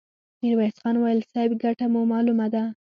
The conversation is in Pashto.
ميرويس خان وويل: صيب! ګټه مو مالومه ده!